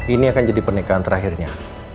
ini akan jadi pernikahan terakhirnya